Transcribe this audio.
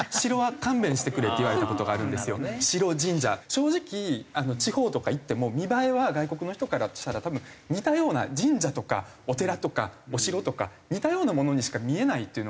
正直地方とか行っても見栄えは外国の人からしたら多分似たような神社とかお寺とかお城とか似たようなものにしか見えないっていうのがあるので。